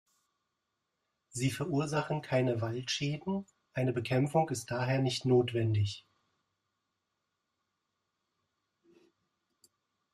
Sie verursachen keine Waldschäden, eine Bekämpfung ist daher nicht notwendig.